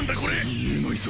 みえないぞ！